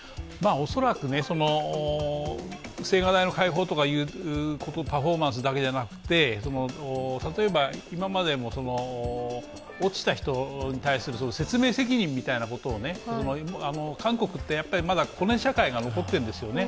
恐らく青瓦台の開放というパフォーマンスだけでなく、例えば今までも落ちた人に対する説明責任みたいなことをね、韓国ってまだコネ社会が残っているんですよね。